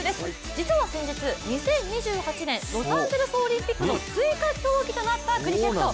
実は先日、２０２８年、ロサンゼルスオリンピックの追加競技となったクリケット。